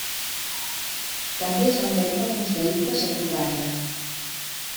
També es van vendre alguns vehicles a Bulgària.